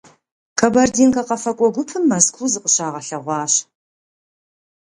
«Кабардинкэ» къэфакӏуэ гупым Мэзкуу зыкъыщагъэлъэгъуащ.